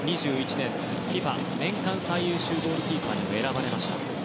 ２０２１年、ＦＩＦＡ年間最優秀ゴールキーパーに選ばれました。